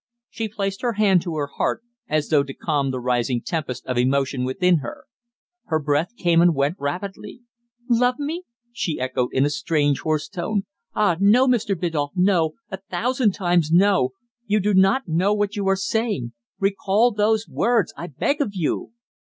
She placed her hand to her heart, as though to calm the rising tempest of emotion within her. Her breath came and went rapidly. "Love me!" she echoed in a strange, hoarse tone. "Ah! no, Mr. Biddulph, no, a thousand times no! You do not know what you are saying. Recall those words I beg of you!"